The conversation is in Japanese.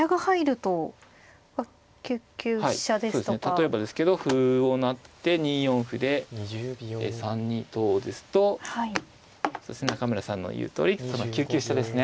例えばですけど歩を成って２四歩で３二とですと中村さんの言うとおり９九飛車ですね。